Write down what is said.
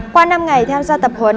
qua năm ngày tham gia tập huấn